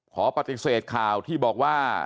ขอปฏิเสธข่าวที่บอกว่า